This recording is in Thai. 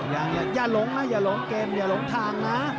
อย่าหลงนะอย่าหลงเกมอย่าหลงทางนะ